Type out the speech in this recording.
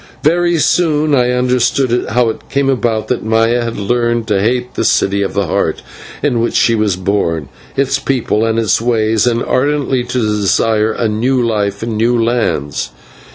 Very soon I understood how it came about that Maya had learned to hate the City of the Heart in which she was born, its people, and its ways, and ardently to desire a new life in new lands.